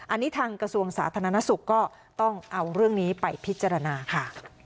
อันนี้ทางกระทรวงสาธารณสุขก็ต้องเอาเรื่องนี้ไปพิจารณาค่ะ